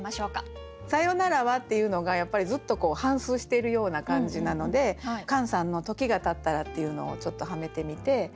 「さよならは」っていうのがやっぱりずっと反すうしているような感じなのでカンさんの「時がたったら」っていうのをちょっとはめてみて。